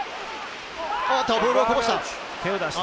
ボールをこぼした。